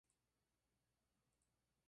Al año siguiente, fue traspasado a agosto.